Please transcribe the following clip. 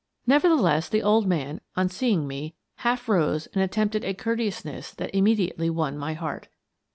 Nevertheless, the old man, on seeing me, half rose and attempted a courteousness that immedi ately won my heart.